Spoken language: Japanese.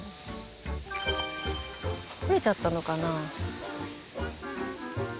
取れちゃったのかな？